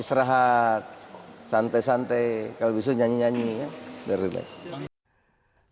istirahat santai santai kalau besok nyanyi nyanyi ya